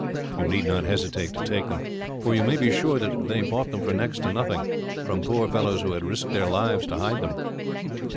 You need not hesitate to take them, for you may be sure that they bought them, for next to nothing, from poor fellows who had risked their lives to hide them.